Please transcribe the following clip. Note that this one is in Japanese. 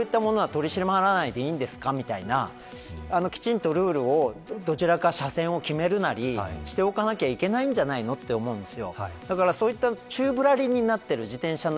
だけれども、法律的には自動車と一緒ですよと言われているのにこういったものは取り締まらないでいいんですかみたいなきちんとルールをどちらか車線を決めるなりしておかなきゃいけないんじゃないかと思うんです。